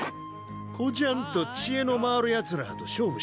こじゃんと知恵の回るやつらと勝負したんは。